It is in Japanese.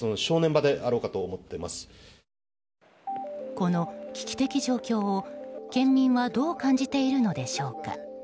この危機的状況を、県民はどう感じているのでしょうか。